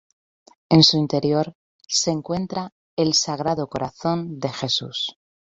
En su interior se encuentra el Sagrado Corazón de Jesús.